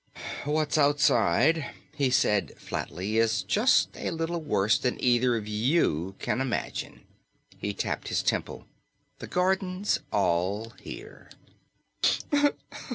"What's outside," he said flatly, "is just a little worse than either of you can imagine." He tapped his temple. "The garden's all here."